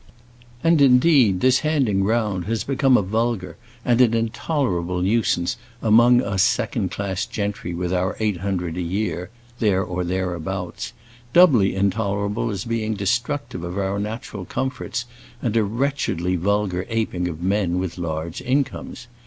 And indeed this handing round has become a vulgar and an intolerable nuisance among us second class gentry with our eight hundred a year there or thereabouts; doubly intolerable as being destructive of our natural comforts, and a wretchedly vulgar aping of men with large incomes.